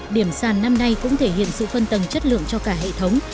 điểm sàn năm nay cũng thể hiện sự phân tầng chất lượng cho cả hệ thống